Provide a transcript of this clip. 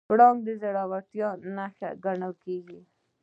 پړانګ د زړورتیا نښه ګڼل کېږي.